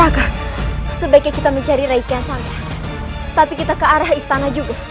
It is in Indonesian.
raka sebaiknya kita mencari rakyat santang tapi kita ke arah istana juga